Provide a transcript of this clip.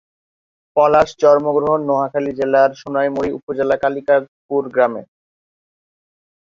পলাশ জন্ম গ্রহণ নোয়াখালী জেলার সোনাইমুড়ি উপজেলার কালিকাপুর গ্রামে।